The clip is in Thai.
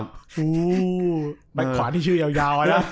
แบ็คขวาที่ชื่อยาวนะ